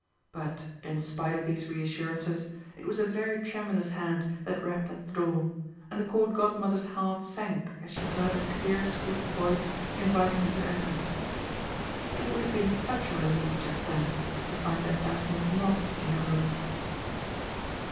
But, in spite of these reassurances, it was a very tremulous hand that rapped at the door, and the Court Godmother's heart sank as she heard a clear sweet voice inviting her to enter. It would have been such a relief, just then, to find that Daphne was not in her room.